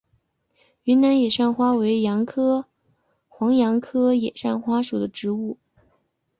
云南野扇花为黄杨科野扇花属的植物。